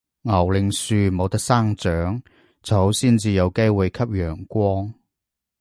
牛令樹冇得生長，草先至有機會吸陽光